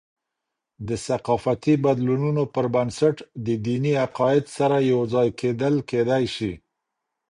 د ثقافتي بدلونونو پربنسټ، د دیني عقاید سره یوځای کیدل کېدي سي.